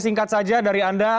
singkat saja dari anda